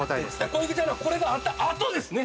◆小池ちゃんのはこれがあったあとですね。